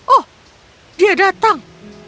oh dia datang